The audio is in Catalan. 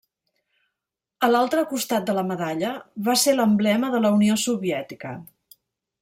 A l'altre costat de la medalla va ser l'emblema de la Unió Soviètica.